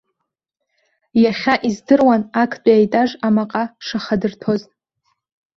Иахьа издыруан актәи аетаж амаҟа шахадырҭәоз.